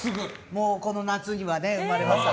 もうこの夏には生まれます。